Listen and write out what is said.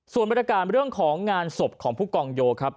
ส่วนบรรยากาศเรื่องของงานศพของผู้กองโยครับ